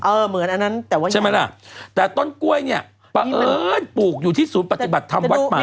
เหมือนอันนั้นแต่ว่าใช่ไหมล่ะแต่ต้นกล้วยเนี่ยประเอิญปลูกอยู่ที่ศูนย์ปฏิบัติธรรมวัดใหม่